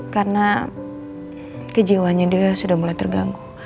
karena kejiwanya dia sudah mulai terganggu